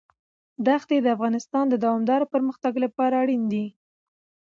دښتې د افغانستان د دوامداره پرمختګ لپاره اړین دي.